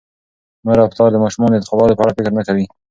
مور او پلار د ماشومانو د انتخابونو په اړه فکر نه کوي.